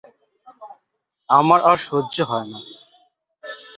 আমার আর সহ্য হয় না।